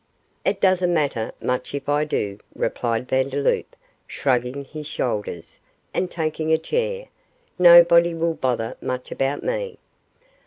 'It doesn't matter much if I do,' replied Vandeloup, shrugging his shoulders, and taking a chair, 'nobody will bother much about me.